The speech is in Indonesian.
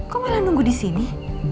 kok malah nunggu disini